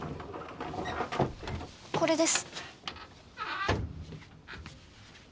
これです。